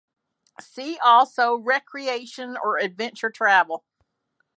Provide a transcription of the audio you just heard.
See also recreation or adventure travel.